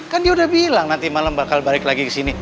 kan dia udah bilang nanti malam bakal balik lagi ke sini